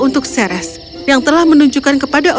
fungsi selebih itu untuk menunjukkan hasil danlas itu